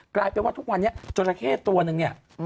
กลายเป็นว่าทุกวันนี้จราเข้ตัวนึงเนี่ย